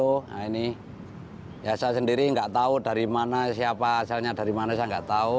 nah ini ya saya sendiri nggak tahu dari mana siapa asalnya dari mana saya nggak tahu